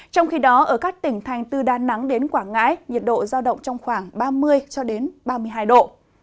trong khi đó ở các tỉnh thành từ đà nẵng đến quảng ngãi nhiệt độ giao động trong khoảng ba mươi ba mươi hai độ